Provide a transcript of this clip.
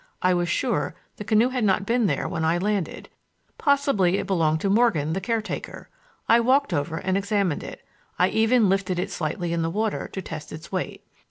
I was sure the canoe had not been there when I landed. Possibly it belonged to Morgan, the caretaker. I walked over and examined it. I even lifted it slightly in the water to test its weight.